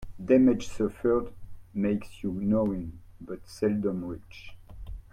Damage suffered makes you knowing, but seldom rich.